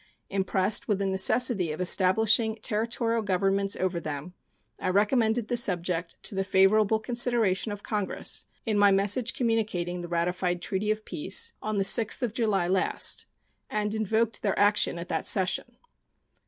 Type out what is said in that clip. Impressed with the necessity of establishing Territorial governments over them, I recommended the subject to the favorable consideration of Congress in my message communicating the ratified treaty of peace, on the 6th of July last, and invoked their action at that session.